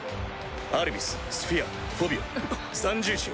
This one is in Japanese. アルビススフィアフォビオ三獣士よ。